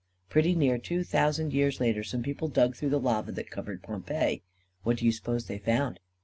Pretty nearly two thousand years later, some people dug through the lava that covered Pompeii. What do you suppose they found?